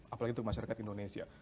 apalagi untuk masyarakat indonesia